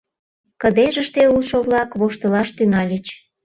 Кыдежыште улшо-влак воштылаш тӱҥальыч.